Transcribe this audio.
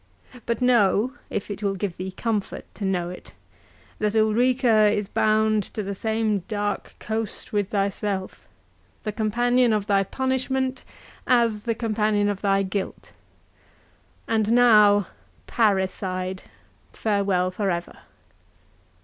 —But know, if it will give thee comfort to know it, that Ulrica is bound to the same dark coast with thyself, the companion of thy punishment as the companion of thy guilt.—And now, parricide, farewell for ever!